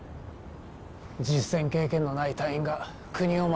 実戦経験のない隊員が国を守れるのか？